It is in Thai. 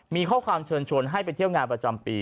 มีข้อความเชิญชวนให้ไปเที่ยวงานประจำปี